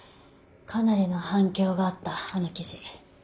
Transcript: かなりの反響があったあの記事」。